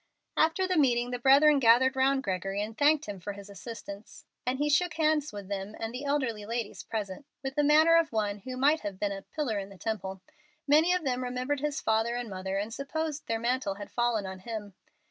After the meeting the brethren gathered round Gregory and thanked him for his assistance, and he shook hands with them and the elderly ladies present with the manner of one who might have been a "pillar in the temple." Many of them remembered his father and mother and supposed their mantle had fallen on him.